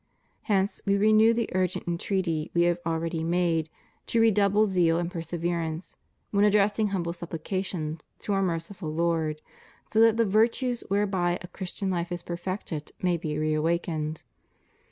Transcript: Hence, We renew the urgent entreaty We have already made, to redouble zeal and perseverance, when addressing humble supplica tions to our merciful God, so that the virtues whereby a Christian hfe is perfected may be reawakened.